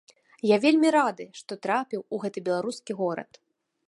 Я вельмі рады, што трапіў у гэты беларускі горад.